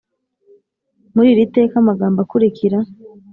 Muri iri teka amagambo akurikira